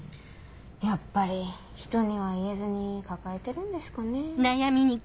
やっぱりひとには言えずに抱えてるんですかね。